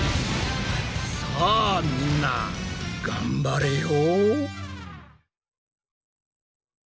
さあみんな頑張れよ。